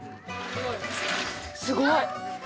すごい！